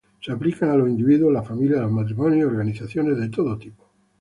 Se aplican a los individuos, las familias, los matrimonios, y organizaciones de todo tipo.